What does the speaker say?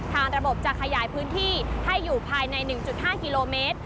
ระบบจะขยายพื้นที่ให้อยู่ภายใน๑๕กิโลเมตร